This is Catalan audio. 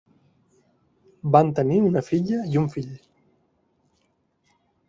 Van tenir una filla i un fill.